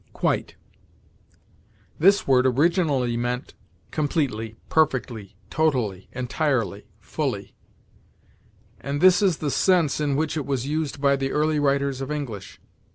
QUITE. This word originally meant completely, perfectly, totally, entirely, fully; and this is the sense in which it was used by the early writers of English.